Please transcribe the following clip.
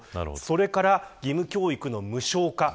それから義務教育の無償化。